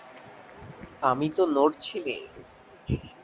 আমি তো নড়ছি নে।